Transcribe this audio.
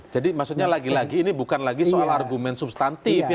jadi maksudnya lagi lagi ini bukan lagi soal argumen substantif